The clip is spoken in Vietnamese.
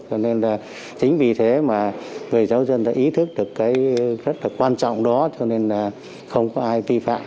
cho nên là chính vì thế mà người giáo dân đã ý thức được cái rất là quan trọng đó cho nên là không có ai vi phạm